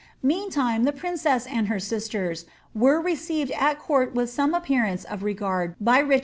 Meantime the princess and her sisters were re ceived at court with some appearance of regard by Richard III.